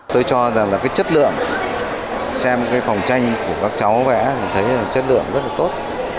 tôi cho rằng là cái chất lượng xem cái phòng tranh của các cháu vẽ thì thấy là chất lượng rất là tốt